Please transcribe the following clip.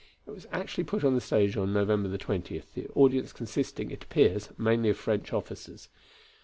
It was actually put on the stage on November 20, the audience consisting, it appears, mainly of French officers.